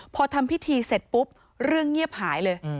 พอทำพิธีเสร็จปุ๊บเรื่องเงียบหายเลย